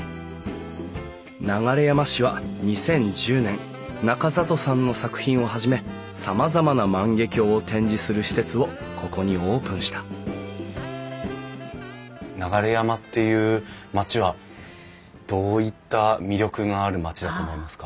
流山市は２０１０年中里さんの作品をはじめさまざまな万華鏡を展示する施設をここにオープンした流山っていう町はどういった魅力がある町だと思いますか？